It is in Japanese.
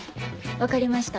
分かりました。